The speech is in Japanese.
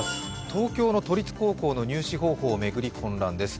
東京の都立高校の入試方法を巡り混乱です。